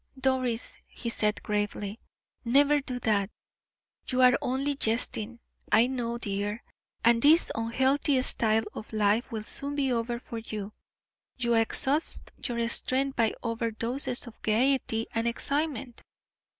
"Doris," he said, gravely, "never do that. You are only jesting, I know, dear, and this unhealthy style of life will soon be over for you. You exhaust your strength by over doses of gayety and excitement.